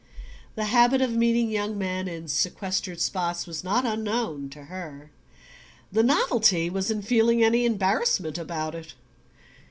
The habit of meeting young men in sequestered spots was not unknown to her: the novelty was in feeling any embarrassment about it.